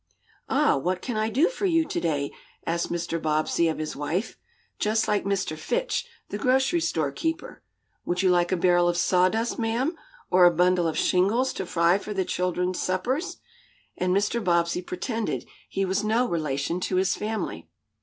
"Ah, what can I do for you to day?" asked Mr. Bobbsey of his wife, just like Mr. Fitch, the grocery store keeper. "Would you like a barrel of sawdust, ma'am; or a bundle of shingles to fry for the children's suppers?" and Mr. Bobbsey pretended he was no relation to his family.